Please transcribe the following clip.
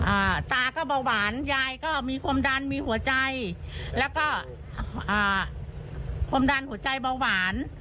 อ่าตาก็เบาหวานยายก็มีความดันมีหัวใจแล้วก็อ่าความดันหัวใจเบาหวาน